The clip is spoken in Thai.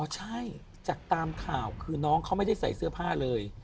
ใช่จากตามข่าวคือน้องเขาไม่ได้ใส่เสื้อผ้าเลย